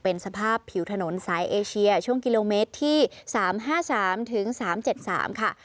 เป็นสภาพผิวถนนสายเอเชียช่วงกิโลเมตรที่๓๕๓ถึง๓๓๗๓ค่ะ